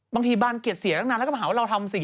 บางทีบานเกลียดเสียตั้งนานแล้วก็มาหาว่าเราทำสิ่ง